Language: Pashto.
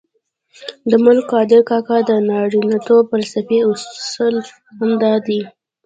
د ملک قادر کاکا د نارینتوب فلسفې اصل هم دادی.